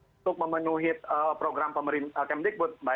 untuk memenuhi program kementikbud